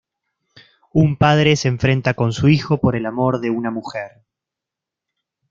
Un padre se enfrenta con su hijo por el amor de una mujer.